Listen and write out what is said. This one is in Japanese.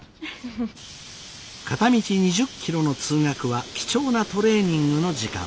片道２０キロの通学は貴重なトレーニングの時間。